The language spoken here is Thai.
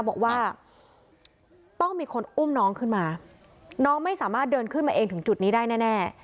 บอกว่าต้องมีคนอุ้มน้องขึ้นมาน้องไม่สามารถเดินขึ้นมาเองถึงจุดนี้ได้แน่